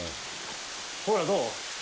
ほら、どう？